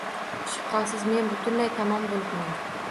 Shubhasiz, men butunlay tamom boʻlibman.